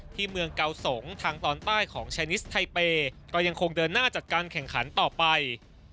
เมืองเกาสงทางตอนใต้ของชายนิสไทเปย์ก็ยังคงเดินหน้าจัดการแข่งขันต่อไป